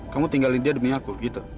kamu tinggalin dia sama aku